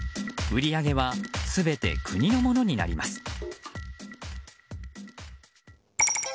売り上げは全て国のものになります。